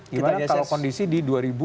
gimana kalau kondisi di dua ribu sembilan belas